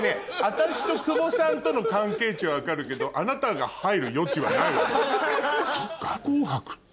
私と久保さんとの関係位置は分かるけどあなたが入る余地はないわよ。